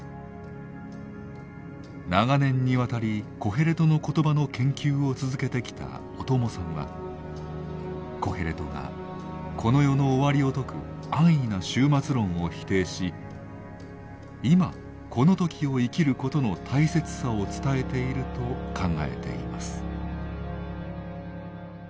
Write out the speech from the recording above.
長年にわたり「コヘレトの言葉」の研究を続けてきた小友さんはコヘレトがこの世の終わりを説く安易な終末論を否定し「今この時を生きる」ことの大切さを伝えていると考えています。